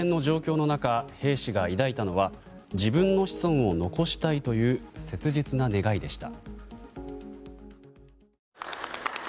死をも覚悟する極限の状況の中兵士が抱いたのは自分の子孫を残したいという切実な願いでした。